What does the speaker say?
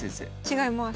違います。